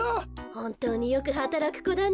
ほんとうによくはたらくこだね。